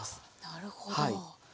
なるほど。